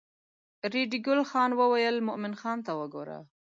ریډي ګل خان وویل مومن خان ته وګوره.